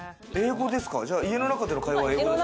家の中での会話は英語ですか？